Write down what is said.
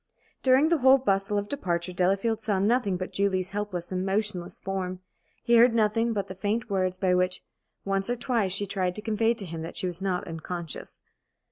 During the whole bustle of departure, Delafield saw nothing but Julie's helpless and motionless form; he heard nothing but the faint words by which, once or twice, she tried to convey to him that she was not unconscious.